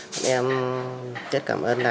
chúng em rất cảm ơn